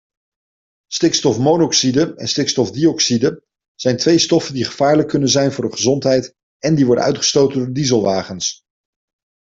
Stikstofmonoxide en stikstofdioxide zijn twee stoffen die gevaarlijk kunnen zijn voor de gezondheid en die worden uitgestoten door dieselwagens.